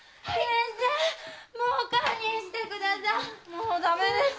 もうダメです。